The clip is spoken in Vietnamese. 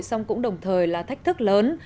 xong cũng đồng thời là thách thức lớn